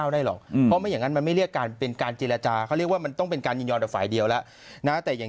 ได้หรอกเพราะไม่อย่างนั้นมันไม่เรียกการเป็นการเจรจาเขาเรียกว่ามันต้องเป็นการยินยอมกับฝ่ายเดียวแล้วนะแต่อย่าง